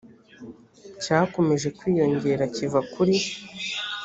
cyakomeje kwiyongera kiva kuri